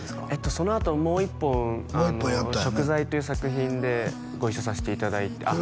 そのあともう一本「贖罪」という作品でご一緒させていただいてあっ